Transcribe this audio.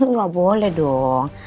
ga boleh dong